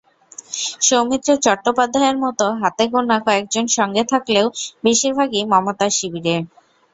সৌমিত্র চট্টোপাধ্যায়ের মতো হাতে গোনা কয়েকজন সঙ্গে থাকলেও বেশির ভাগই মমতার শিবিরে।